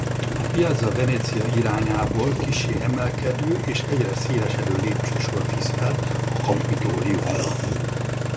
A Piazza Venezia irányából kissé emelkedő és egyre szélesedő lépcsősor visz fel a Capitoliumra.